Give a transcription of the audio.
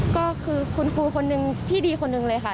ก็คือคุณครูคนหนึ่งที่ดีคนหนึ่งเลยค่ะ